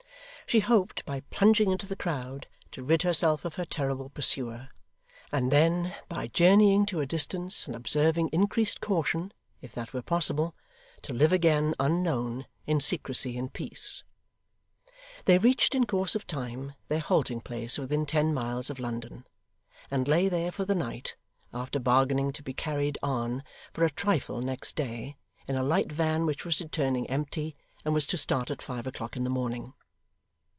She hoped, by plunging into the crowd, to rid herself of her terrible pursuer, and then, by journeying to a distance and observing increased caution, if that were possible, to live again unknown, in secrecy and peace. They reached, in course of time, their halting place within ten miles of London, and lay there for the night, after bargaining to be carried on for a trifle next day, in a light van which was returning empty, and was to start at five o'clock in the morning.